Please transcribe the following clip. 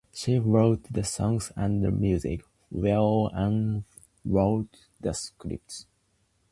She wrote the songs and the music, while puppeteer Ann Hogarth wrote the scripts.